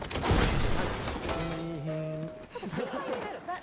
これしないよね。